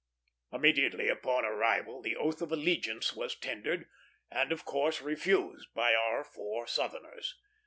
Immediately upon arrival, the oath of allegiance was tendered, and, of course, refused by our four Southerners.